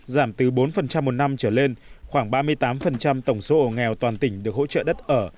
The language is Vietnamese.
giảm từ bốn một năm trở lên khoảng ba mươi tám tổng số hộ nghèo toàn tỉnh được hỗ trợ đất ở